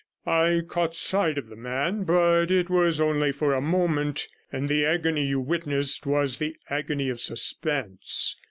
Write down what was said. I caught sight of the man, but it was only for a moment, and the agony you witnessed was the agony of suspense.